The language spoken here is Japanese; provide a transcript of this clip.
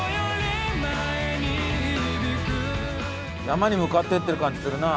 山に向かってってる感じするな。